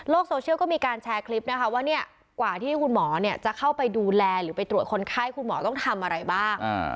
โซเชียลก็มีการแชร์คลิปนะคะว่าเนี่ยกว่าที่คุณหมอจะเข้าไปดูแลหรือไปตรวจคนไข้คุณหมอต้องทำอะไรบ้าง